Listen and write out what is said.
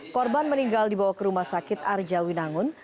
korban meninggal dibawa ke rumah sakit arja winangun